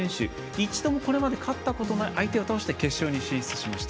一度もこれまで勝ったことのない相手を倒して決勝に進出しました。